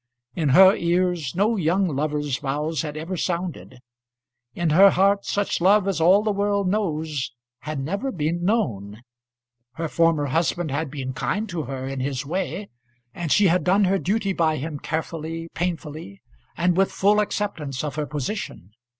In her ears no young lover's vows had ever sounded. In her heart such love as all the world knows had never been known. Her former husband had been kind to her in his way, and she had done her duty by him carefully, painfully, and with full acceptance of her position.